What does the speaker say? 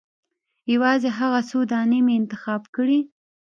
یوازې هغه څو دانې مې انتخاب کړې.